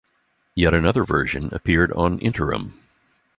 Yet another version appeared on "Interim".